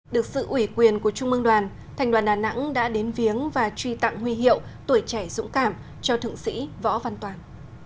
được sự ủy quyền của trung mương đoàn thành đoàn đà nẵng đã đến viếng và truy tặng huy hiệu tuổi trẻ dũng cảm cho thượng sĩ võ văn toàn